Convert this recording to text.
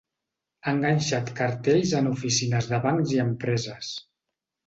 Ha enganxat cartells en oficines de bancs i empreses.